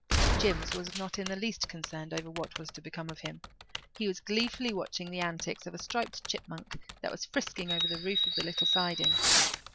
Jims was not in the least concerned over what was to become of him. He was gleefully watching the antics of a striped chipmunk that was frisking over the roof of the little siding.